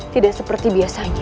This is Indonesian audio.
tidak seperti biasanya